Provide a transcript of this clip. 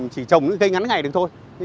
chỉ trồng cây ngắn ngày được thôi